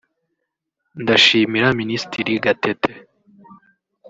ndashimira Minisitiri Gatete